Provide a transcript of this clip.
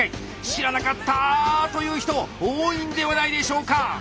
知らなかった！という人多いんではないでしょうか！